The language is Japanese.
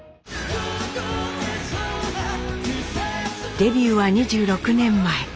デビューは２６年前。